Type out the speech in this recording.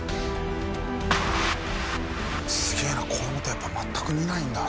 すげえな子どもってやっぱ全く見ないんだな。